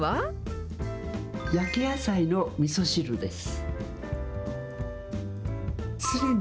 焼き野菜のみそ汁です。